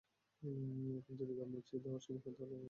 এখন যদি গা মুছিয়ে দেওয়ার সময় হয়, তাহলে আমি পরে আসবো।